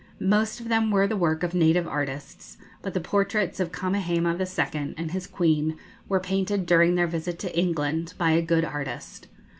Most of them were the work of native artists, but the portraits of Kamehameha II. and his queen were painted, during their visit to England, by a good artist.